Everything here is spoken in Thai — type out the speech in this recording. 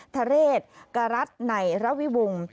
ทะเรศกระรัฐไหนระวิวุง